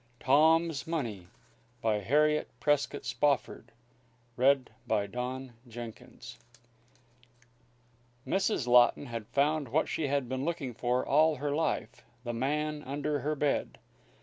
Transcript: TOM'S MONEY BY HARRIET PRESCOTT SPOFFORD Mrs. Laughton had found what she had been looking for all her life the man under her bed.